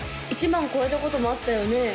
１万超えたこともあったよね？